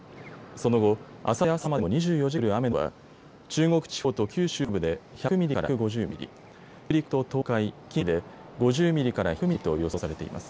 その後、あさって朝までの２４時間に降る雨の量は中国地方と九州北部で１００ミリから１５０ミリ、北陸と東海、近畿で５０ミリから１００ミリと予想されています。